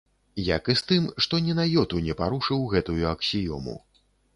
Як і з тым, што ні на ёту не парушыў гэтую аксіёму.